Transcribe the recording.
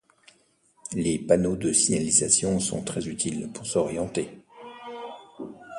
Les panneaux de signalisation sont très utiles pour s'orienter.